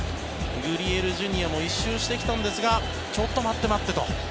グリエルＪｒ．も１周してきたんですがちょっと待って、待ってと。